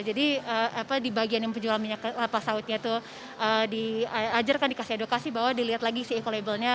jadi di bagian yang penjualan lapah sawitnya itu diajarkan dikasih edukasi bahwa dilihat lagi si ekolabelnya